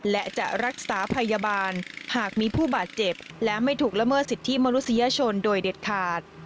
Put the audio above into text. และจะรักษาพยาบาลหากมีผู้บาดเจ็บและไม่ถูกละเมิดสิทธิมนุษยชนโดยเด็ดขาด